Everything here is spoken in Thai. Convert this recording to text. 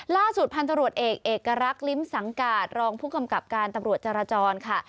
ล่าสุดพันธุรกิจเอกเอกรักษ์ลิ้มสังกาศรองผู้กำกับการตำรวจจราจรค่ะ